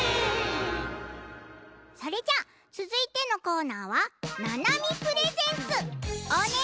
それじゃあつづいてのコーナーはななみプレゼンツ！